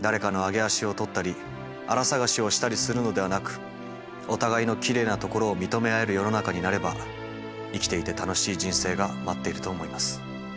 誰かの揚げ足を取ったりあら探しをしたりするのではなくお互いのきれいなところを認め合える世の中になれば生きていて楽しい人生が待っていると思います。